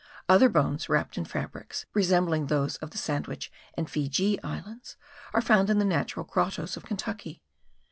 Other bones wrapped in fabrics resembling those of the Sandwich and Feejee Islands are found in the natural grottoes of Kentucky.